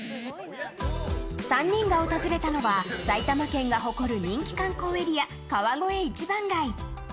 ３人が訪れたのは埼玉県が誇る人気観光エリア川越一番街。